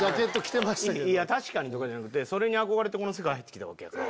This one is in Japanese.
「確かに」とかじゃなくてそれに憧れてこの世界入って来たわけやから。